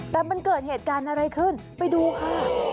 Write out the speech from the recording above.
แต่มันเกิดเหตุการณ์อะไรขึ้นไปดูค่ะ